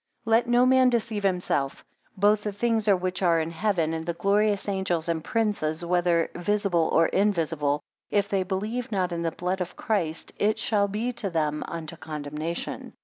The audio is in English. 12 Let no man deceive himself; both the things which are in heaven, and the glorious angels, and princes, whether visible or invisible, if they believe not in the blood of Christ, it shall be to them, unto condemnation.